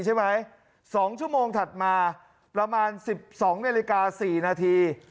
ใช่ไหม๒ชั่วโมงถัดมาประมาณ๑๒นาฬิกา๔นาที